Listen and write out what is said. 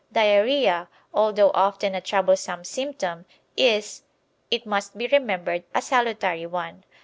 Diarrhoea, although often a troublesome symptom, is, it must be remembered, a salutary one.